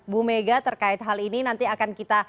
bu mega terkait hal ini nanti akan kita